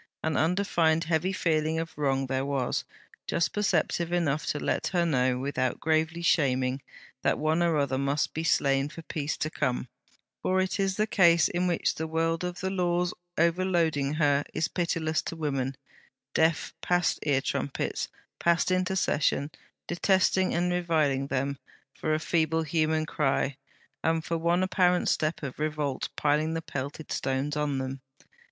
An undefined heavy feeling of wrong there was, just perceptive enough to let her know, without gravely shaming, that one or another must be slain for peace to come; for it is the case in which the world of the Laws overloading her is pitiless to women, deaf past ear trumpets, past intercession; detesting and reviling them for a feeble human cry, and for one apparent step of revolt piling the pelted stones on them.